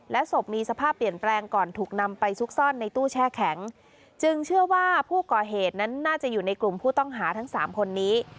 ศพมีสภาพเปลี่ยนแปลงก่อนถูกนำไปซุกซ่อนในตู้แช่แข็งจึงเชื่อว่าผู้ก่อเหตุนั้นน่าจะอยู่ในกลุ่มผู้ต้องหาทั้งสามคนนี้